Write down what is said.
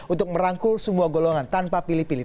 untuk merangkul semua golongan tanpa pilih pilih